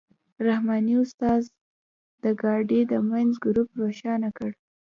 رحماني استاد د ګاډۍ د منځ ګروپ روښانه کړ.